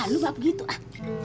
lupa begitu ah